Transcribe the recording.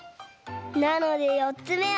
なのでよっつめは。